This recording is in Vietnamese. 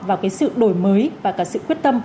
vào cái sự đổi mới và cả sự quyết tâm